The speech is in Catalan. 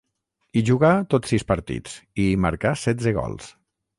Hi jugà tots sis partits i hi marcà setze gols.